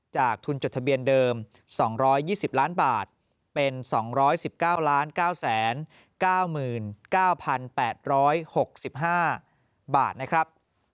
ทุนจดทะเบียนเดิม๒๒๐ล้านบาทเป็น๒๑๙๙๙๙๘๖๕บาทนะครับ